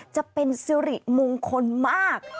จะเป็นสิริมงคลมาก